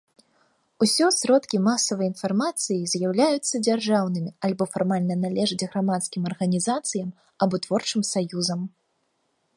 Усё сродкі масавай інфармацыі з'яўляюцца дзяржаўнымі альбо фармальна належаць грамадскім арганізацыям або творчым саюзам.